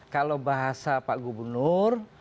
kalau bahasa pak gubernur